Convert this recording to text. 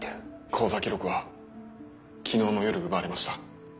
口座記録は昨日の夜奪われました。